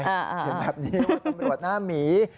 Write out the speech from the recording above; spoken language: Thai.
เห็นแบบนี้ว่าตำรวจหน้าหมี